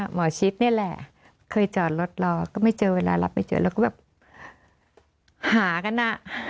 หมอชิดนี่แหละเคยจอดรถรอก็ไม่เจอเวลารับไปเจอแล้วก็แบบหากันอ่ะ